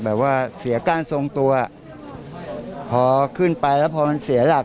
แบบว่าเสียก้านทรงตัวพอขึ้นไปแล้วพอมันเสียหลัก